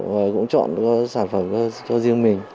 và cũng chọn các sản phẩm cho riêng mình